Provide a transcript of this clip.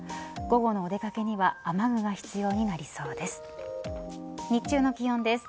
午後のお出かけには雨具が必要になりそうです。